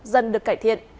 dần được cải thiện